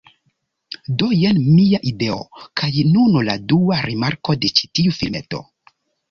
Do jen mia ideo, kaj nun la dua rimarko de ĉi tiu filmeto